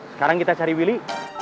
sekarang kita cari willy